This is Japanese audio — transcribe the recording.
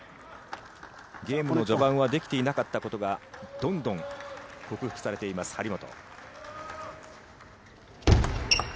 ゲームの序盤はできていなかったことが、どんどん克服されています、張本。